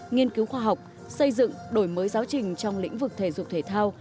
nghiên cứu khoa học xây dựng đổi mới giáo trình trong lĩnh vực thể dục thể thao